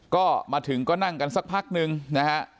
ก็มาถึงก็นั่งกันสักพักนึงนะฮะ